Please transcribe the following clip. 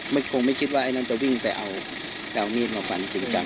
มันคงไม่คิดไว้ฉันจะวิ่งไปเอาและเอามีดมาฝันจริงจัง